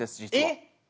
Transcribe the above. えっ！